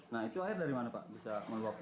nah itu air dari mana pak bisa meluap